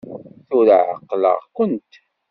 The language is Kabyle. Tura ɛeqleɣ-kent!